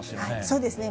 そうですね。